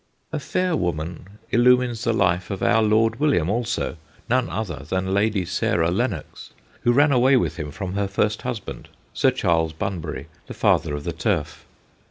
A fair woman illumines the life of our Lord William also, none other than Lady Sarah Lennox, who ran away with him from her first husband, Sir Charles Bunbury, the father of the Turf.